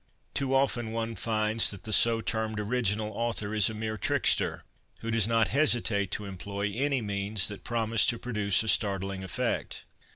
Too often one finds that the so termed original author is a mere trickster, who does not hesitate to employ any means that promise to produce a startling effect.